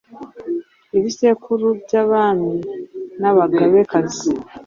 Ibisekuru by'abami n'abagabekazi